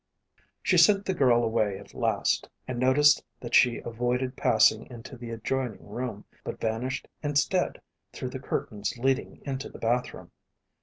She sent the girl away at last, and noticed that she avoided passing into the adjoining room, but vanished instead through the curtains leading into the bathroom.